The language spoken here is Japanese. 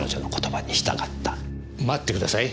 待ってください。